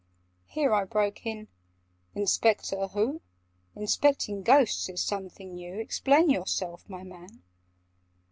Here I broke in—"Inspector who? Inspecting Ghosts is something new! Explain yourself, my man!"